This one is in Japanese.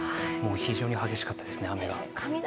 非常に雨が激しかったですね。